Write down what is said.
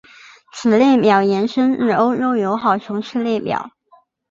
此列表延伸自欧洲友好城市列表。